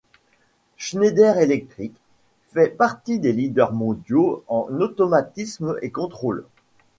Schneider Electric fait partie des leaders mondiaux en automatismes et contrôle.